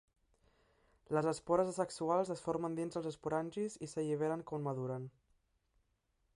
Les espores asexuals es formen dins els esporangis i s'alliberen quan maduren.